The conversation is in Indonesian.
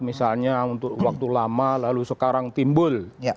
misalnya untuk waktu lama lalu sekarang timbul